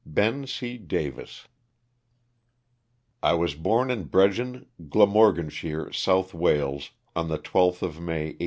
BEN C. DAVIS. T WAS born in Brejen, Glamorganshire, South Wales, ^ on the 12th of May, 1827.